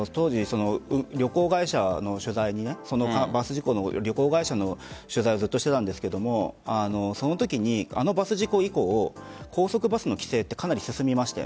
僕は当時バス事故の旅行会社の取材をずっとしていたんですがそのときに、あのバス事故以降高速バスの規制かなり進みました。